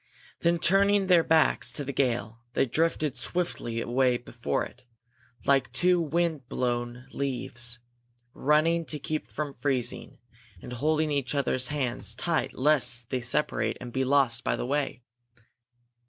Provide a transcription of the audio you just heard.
Then turning their backs to the gale they drifted swiftly away before it, like two wind blown leaves, running to keep from freezing, and holding each other's hands tight lest they separate and be lost by the way.